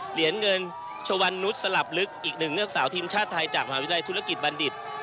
เหรียญเงินชวันนุษย์สลับลึกอีกหนึ่งเงือกสาวทีมชาติไทยจากมหาวิทยาลัยธุรกิจบัณฑิต